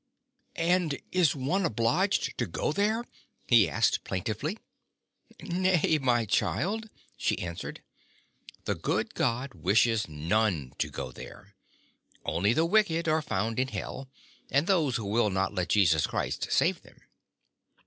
"And is one obliged to go there?" he asked plaintively. "Nay, my child," she answered, "the good God wishes none to go there. Only the wicked are found in hell, and those who will not let Jesus Christ save them."